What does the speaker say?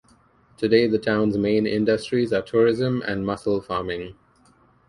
Today, the town's main industries are tourism and mussel farming.